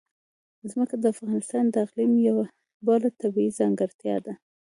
ځمکه د افغانستان د اقلیم یوه بله طبیعي ځانګړتیا ده.